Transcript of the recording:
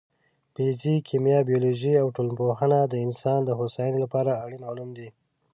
فزیک، کیمیا، بیولوژي او ټولنپوهنه د انسان د هوساینې لپاره اړین علوم دي.